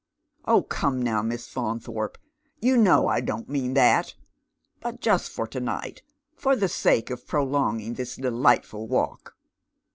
" Oh, come now. Miss Faunthoipe, you know I don't mean that ; but just for to night, for the sake of prolonging tliis delightful walk."